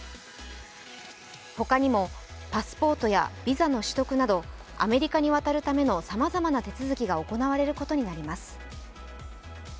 他にも、パスポートやビザの取得など、アメリカに渡るためのさまざまな手続きが行われることになります。